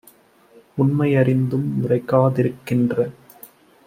உண்மை யறிந்தும் உரைக்கா திருக்கின்ற